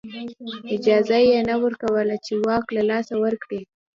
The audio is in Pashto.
اجازه یې نه ورکوله چې واک له لاسه ورکړي